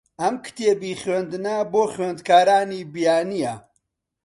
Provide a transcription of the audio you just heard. ئەم کتێبی خوێندنە بۆ خوێندکارانی بیانییە.